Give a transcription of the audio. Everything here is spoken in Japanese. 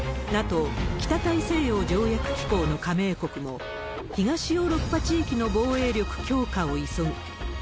ＮＡＴＯ・北大西洋条約機構の加盟国も東ヨーロッパ地域の防衛力強化を急ぐ。